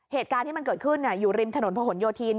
เหตุการณ์ที่มันเกิดขึ้นอยู่ริมถนนพะหนโยธิน